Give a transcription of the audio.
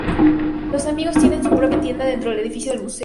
Los amigos tienen su propia tienda dentro del edificio del museo.